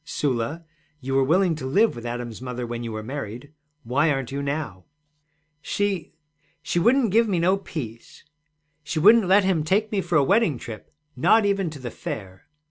'Sula, you were willing to live with Adam's mother when you were married. Why aren't you now?' 'She she wouldn't give me no peace. She wouldn't let him take me for a wedding trip, not even to the Fair.'